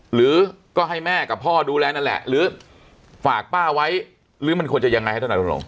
หรือก็ให้แม่กับพ่อดูแลนั่นแหละหรือฝากป้าไว้หรือมันควรจะยังไงให้ธนายตรง